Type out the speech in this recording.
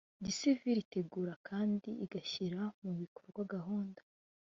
gisiviri itegura kandi igashyira mu bikorwa gahunda